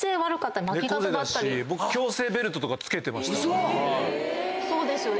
嘘⁉そうですよね。